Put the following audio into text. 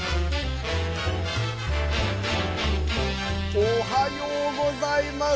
おはようございます。